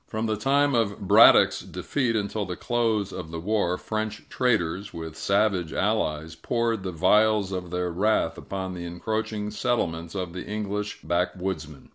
From the time of Braddock's defeat until the close of the war, French traders, with savage allies, poured the vials of their wrath upon the encroaching settlements of the English backwoodsmen.